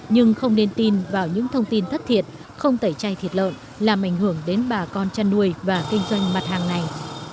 nhưng không nên tin vào những thông tin thất thiệt không tẩy chay thịt lợn làm ảnh hưởng đến bà con chăn nuôi và kinh doanh mặt hàng này